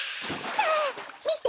はあみて！